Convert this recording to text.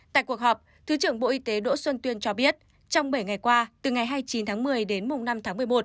tại cuộc họp thứ trưởng bộ y tế đỗ xuân tuyên cho biết trong bảy ngày qua từ ngày hai mươi chín tháng một mươi đến năm tháng một mươi một